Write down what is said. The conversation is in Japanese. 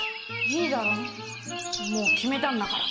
いいだろもう決めたんだから。